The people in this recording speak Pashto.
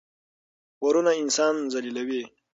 پورونه انسان ذلیلوي.